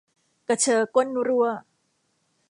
กระเชอก้นรั่ว